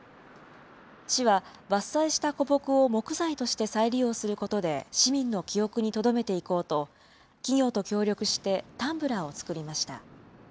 市は伐採した古木を木材として再利用することで、市民の記憶にとどめていこうと、企業と協力してタンブラーを作りました。